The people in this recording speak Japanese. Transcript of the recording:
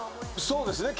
そうですね。